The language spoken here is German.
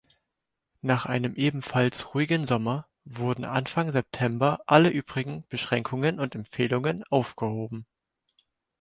Nach einem ebenfalls ruhigem Sommer wurden Anfang September alle übrigen Beschränkungen und Empfehlungen aufgehoben.